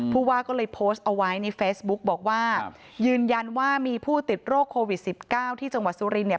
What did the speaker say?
ผู้ว่าก็เลยโพสต์เอาไว้ในเฟซบุ๊กบอกว่ายืนยันว่ามีผู้ติดโรคโควิด๑๙ที่จังหวัดสุรินเนี่ย